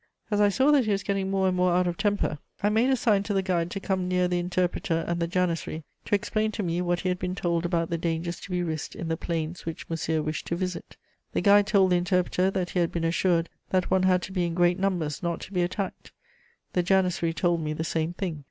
As I saw that he was getting more and more out of temper, I made a sign to the guide to come near the interpreter and the janissary to explain to me what he had been told about the dangers to be risked in the plains which Monsieur wished to visit. The guide told the interpreter that he had been assured that one had to be in great numbers not to be attacked; the janissary told me the same thing.